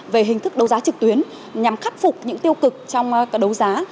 về hình thức đấu giá trực tuyến nhằm khắc phục những tiêu cực trong đấu giá